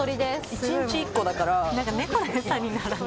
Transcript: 一日１個だから。